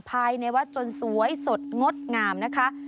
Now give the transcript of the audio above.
ภายในวัดจนสวยสดงดงามนะคะ